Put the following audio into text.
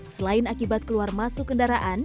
selain akibat keluar masuk kendaraan